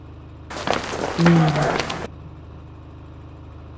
Nini.